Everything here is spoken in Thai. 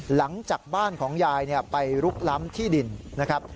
หลังจากบ้านของยายไปลุกล้ำที่ดินนะครับ